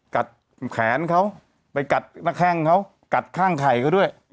กัดแขนเขาไปกัดหน้าแข้งเขากัดข้างไข่เขาด้วย